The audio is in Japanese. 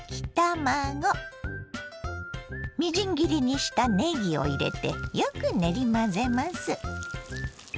みじん切りにしたねぎを入れてよく練り混ぜます。